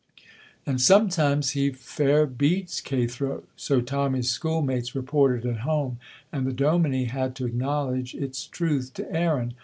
"And sometimes he fair beats Cathro!" So Tommy's schoolmates reported at home, and the dominie had to acknowledge its truth to Aaron.